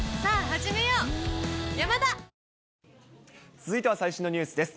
続いては最新のニュースです。